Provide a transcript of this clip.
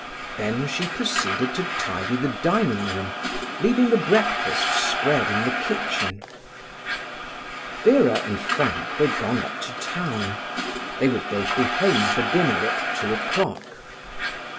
Then she proceeded to tidy the dining room, leaving the breakfast spread in the kitchen. Vera and Frank were gone up to town; they would both be home for dinner at two o'clock.